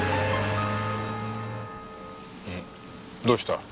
どうした？